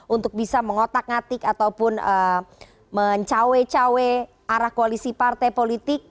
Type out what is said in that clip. untuk bisa mengotak ngatik ataupun mencawe cawe arah koalisi partai politik